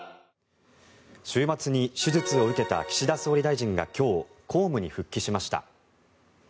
週末に手術を受けた岸田総理大臣が今日、公務に復帰しました。